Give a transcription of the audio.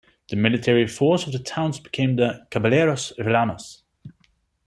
The military force of the towns became the "caballeros villanos".